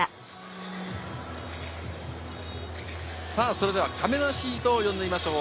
それでは、かめなシートを呼んでみましょう。